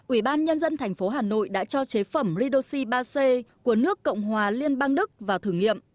ủy ban nhân dân thành phố hà nội đã cho chế phẩm redoxi ba c của nước cộng hòa liên bang đức vào thử nghiệm